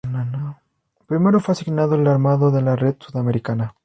Primero fue asignado al armado de la red sudamericana.